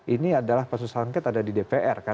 ini adalah pansus angkat ada di dpr kan